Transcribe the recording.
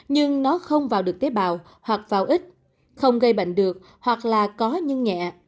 nhưng nó không vào được tế bào hoặc vào ít không gây bệnh được hoặc là có nhưng nhẹ